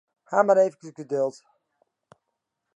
Haw mar efkes geduld.